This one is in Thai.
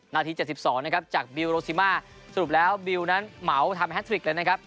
นาที๗๒นะครับจากบิลโรซิมาสรุปแล้วบิวนั้นเหมาทำแฮทริกเลยนะครับ